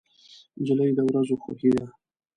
نجلۍ د ورځو خوښي ده.